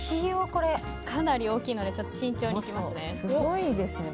かなり大きいので慎重にいきますね。